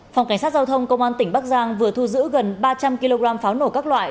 phòng cảnh sát giao thông công an tỉnh bắc giang vừa thu giữ gần ba trăm linh kg pháo nổ các loại